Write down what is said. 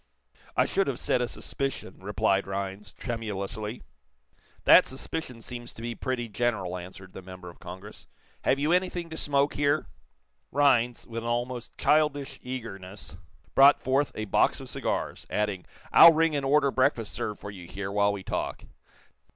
"I should have said a suspicion," replied Rhinds, tremulously. "That suspicion seems to be pretty general," answered the member of Congress. "Have you anything to smoke here?" Rhinds, with an almost childish eagerness, brought forth a box of cigars, adding: "I'll ring and order breakfast served for you here, while we talk."